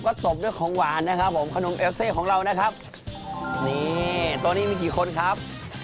ก็ตบด้วยของหวานนะครับผมขนมเอลเซ่ของเรานะครับนี่ตัวนี้มีกี่คนครับ